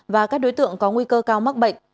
và các đối tượng có nguy cơ cao mắc bệnh